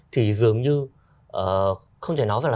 thì dường như không thể nói là